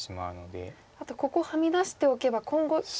あとここはみ出しておけば今後左下。